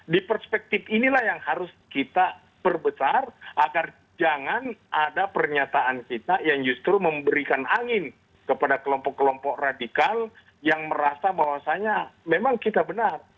di perspektif inilah yang harus kita perbesar agar jangan ada pernyataan kita yang justru memberikan angin kepada kelompok kelompok radikal yang merasa bahwasannya memang kita benar